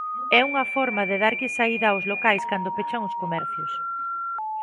É unha forma de darlle saída aos locais cando pechan os comercios.